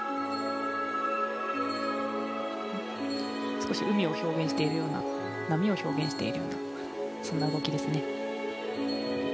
少し海を表現しているような波を表現しているようなそんな動きですね。